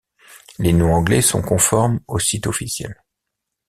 Les noms anglais sont conformes au site officiel.